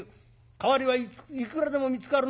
代わりはいくらでも見つかるんだ。